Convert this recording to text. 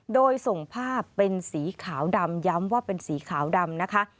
โดยส่งภาพเป็นสีขาวดำย้ำว่าเป็นสีขาวดำนะคะ